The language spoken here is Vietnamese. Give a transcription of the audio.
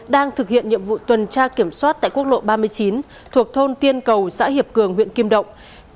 đang thực hiện nhiệm vụ tuần tra kiểm soát tại quốc lộ ba mươi chín thuộc thôn tiên cầu xã hiệp cường huyện kim động